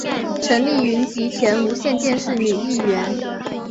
陈丽云及前无线电视女艺员。